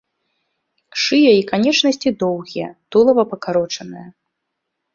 Шыя і канечнасці доўгія, тулава пакарочанае.